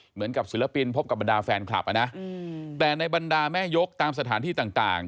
เหมือนกับศิลปินพบกับบรรดาแฟนคลับอ่ะนะแต่ในบรรดาแม่ยกตามสถานที่ต่าง